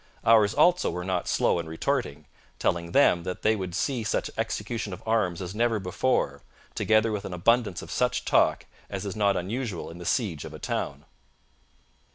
Ours also were not slow in retorting, telling them that they would see such execution of arms as never before, together with an abundance of such talk as is not unusual in the siege of a town.